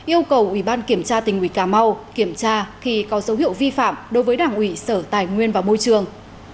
yêu cầu ubnd tp hcm kiểm tra khi có dấu hiệu vi phạm đối với đảng ủy sở tài nguyên và môi trường